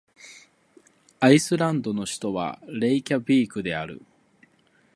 アイスランドの首都はレイキャヴィークである